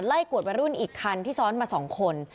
กวดวัยรุ่นอีกคันที่ซ้อนมา๒คน